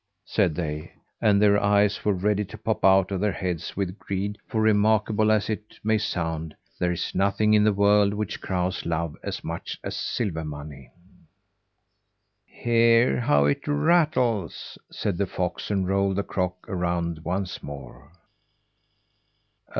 said they, and their eyes were ready to pop out of their heads with greed; for remarkable as it may sound, there is nothing in the world which crows love as much as silver money. "Hear how it rattles!" said the fox and rolled the crock around once more.